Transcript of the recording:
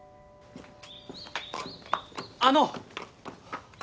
あの！